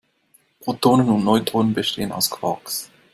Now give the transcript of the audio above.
Protonen und Neutronen bestehen aus Quarks.